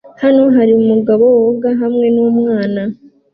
Hano hari umugabo woga hamwe numwana